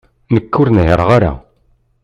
Nekk ur nhiṛeɣ ara.